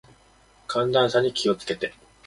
寒暖差に気を付けて。